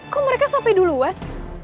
kok mereka sampai duluan